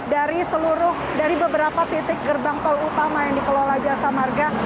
dari seluruh dari beberapa titik gerbang tol utama yang dikelola jasa marga